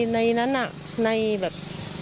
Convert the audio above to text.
ในนั้นน่ะในแบบ